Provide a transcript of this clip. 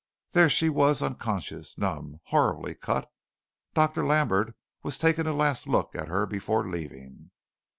There she was unconscious, numb, horribly cut. Dr. Lambert was taking a last look at her before leaving.